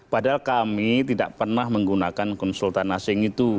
padahal kami tidak pernah menggunakan konsultan asing itu